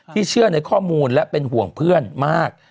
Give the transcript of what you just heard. เชื่อในข้อมูลและเป็นห่วงเพื่อนมาก